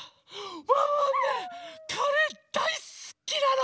ワンワンねカレーだいすきなの！